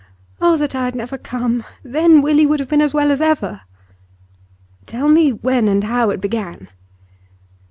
Oh, that I had never come! Then Willie would have been as well as ever.' 'Tell me when and how it began.